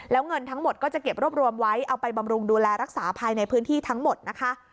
แล้วเงินทั้งหมดก็จะเก็บรวบรวมไว้เอาไปบำรุงดูแลรักษาภายในพื้นที่ทั้งหมดนะคะ